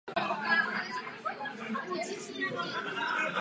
Sídlo společnosti je ve městě Nazaret.